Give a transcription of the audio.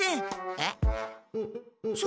えっ？